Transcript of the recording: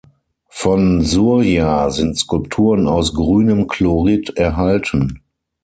Von Surya sind Skulpturen aus grünem Chlorit erhalten.